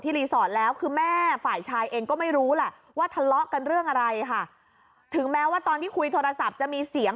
ทีนี้ไม่ถึงแม้ตอนที่คุยโทรศัพท์มีเสียง